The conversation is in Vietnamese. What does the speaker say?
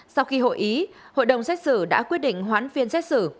sau khi hội ý hội đồng xét xử đã quyết định hoãn phiên xét xử